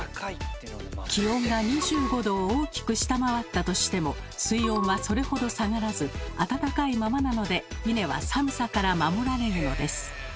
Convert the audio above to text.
気温が２５℃を大きく下回ったとしても水温はそれほど下がらず温かいままなのでイネは寒さから守られるのです。